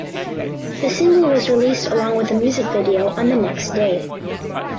The single was released along with the music video on the next day.